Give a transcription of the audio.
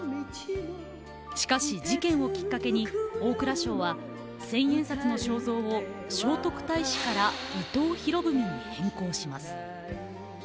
しかし事件をきっかけに大蔵省は千円札の肖像を聖徳太子から伊藤博文に変更します。